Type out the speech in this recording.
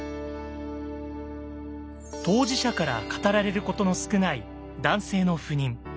当事者から語られることの少ない「男性の不妊」。